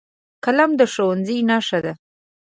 قلم د ښوونځي نښه ده